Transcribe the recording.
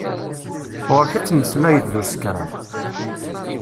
Ɣur-k ad tmeslayeḍ d usekṛan.